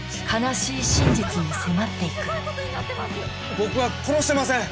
僕は殺してません！